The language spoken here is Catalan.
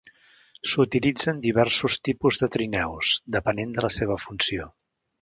S"utilitzen diversos tipus de trineus, depenent de la seva funció.